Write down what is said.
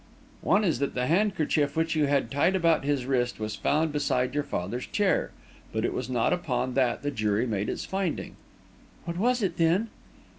"One is that the handkerchief which you had tied about his wrist was found beside your father's chair but it was not upon that the jury made its finding." "What was it, then?"